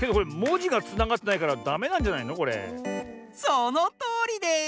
そのとおりです！